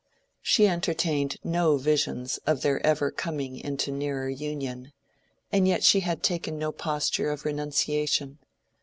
She entertained no visions of their ever coming into nearer union, and yet she had taken no posture of renunciation.